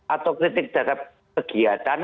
atau kritik terhadap kegiatan